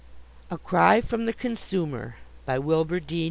A CRY FROM THE CONSUMER BY WILBUR D.